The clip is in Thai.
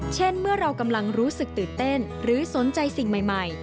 เช่นเมื่อเรากำลังรู้สึกตื่นเต้นหรือสนใจสิ่งใหม่